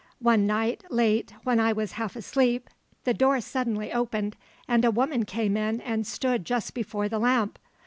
"One night, late, when I was half asleep, the door suddenly opened, and a woman came in and stood just before the lamp.